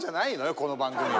この番組は。